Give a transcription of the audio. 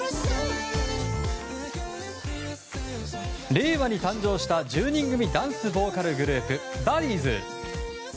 令和に誕生した１０人組ダンスボーカルグループＢＵＤＤｉｉＳ。